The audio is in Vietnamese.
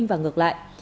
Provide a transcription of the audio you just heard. và ngược lại